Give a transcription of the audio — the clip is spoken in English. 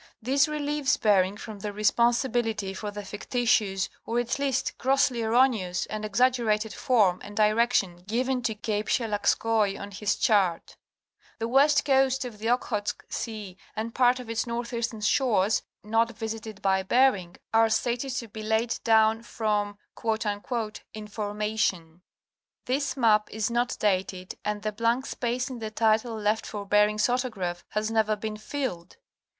This relieves Bering from the responsibility for the fictitious or at least grossly erroneous and exaggerated form and direction given to Cape Shelagskoi on his chart. The west coast of the Okhotsk sea and part of its northeastern shores not visited by Bering are stated to be laid down from ''information." This map is not dated and the blank space in the title left for Bering's autograph has never been filled.